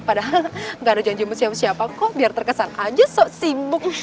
padahal gak ada janji sama siapa siapa kok biar terkesan aja sok sibuk